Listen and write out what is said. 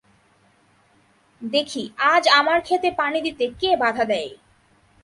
দেখি আজ আমার ক্ষেতে পানি দিতে কে বাধা দেয়!